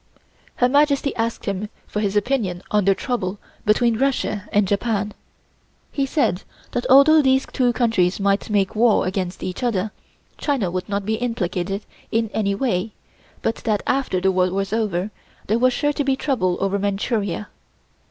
Her Majesty asked him for his opinion of the trouble between Russia and Japan. He said that although these two countries might make war against each other, China would not be implicated in any way, but that after the war was over, there was sure to be trouble over Manchuria.